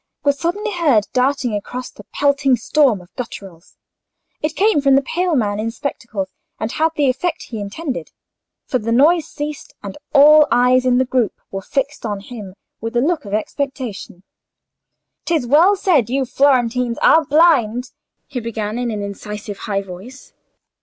was suddenly heard darting across the pelting storm of gutturals. It came from the pale man in spectacles, and had the effect he intended; for the noise ceased, and all eyes in the group were fixed on him with a look of expectation. "'Tis well said you Florentines are blind," he began, in an incisive high voice.